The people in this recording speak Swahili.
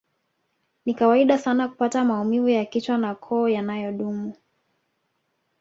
Ni kawaida sana kupata maumivu ya kichwa na koo yanayodumu